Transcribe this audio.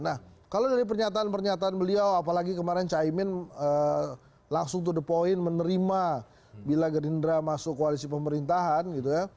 nah kalau dari pernyataan pernyataan beliau apalagi kemarin caimin langsung to the point menerima bila gerindra masuk koalisi pemerintahan gitu ya